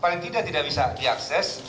paling tidak tidak bisa diakses